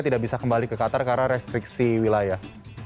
tidak bisa kembali ke qatar karena restriksi wilayah